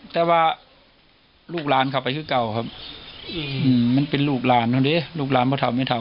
แต่ว่าลูกล้านเข้าไปคือเก่าครับมันเป็นลูกล้านลูกล้านพอเท่าไม่เท่า